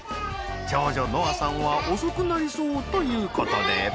長女希歩さんは遅くなりそうという事で。